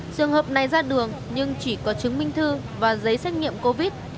trường hợp này ra đường nhưng chỉ có chứng minh thư và giấy xác nhận covid